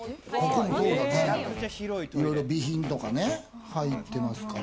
いろいろ備品とかね、入ってますから。